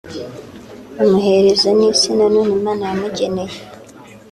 bamuhereze n’isi nanone Imana yamugeneye